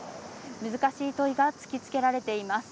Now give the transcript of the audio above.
難しい問いが突きつけられています。